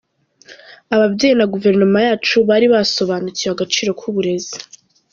Ababyeyi na guverinoma yacu bari basobanukiwe agaciro k’uburezi.